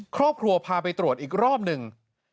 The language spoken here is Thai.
ครอบครัวพาไปตรวจอีกรอบหนึ่ง